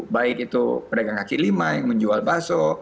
baik itu pedagang kaki lima yang menjual baso